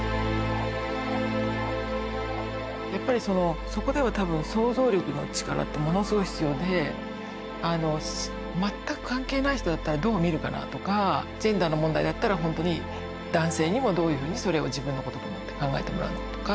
やっぱりそのそこでは多分全く関係ない人だったらどう見るかなとかジェンダーの問題だったら本当に男性にもどういうふうにそれを自分のことと思って考えてもらうのかとか。